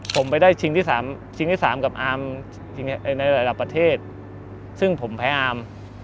ผมไปได้ชิงที่๓ชิงที่๓กับอาร์มในระดับประเทศซึ่งผมแพ้อาม